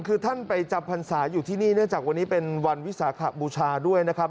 คือท่านไปจำพรรษาอยู่ที่นี่เนื่องจากวันนี้เป็นวันวิสาขบูชาด้วยนะครับ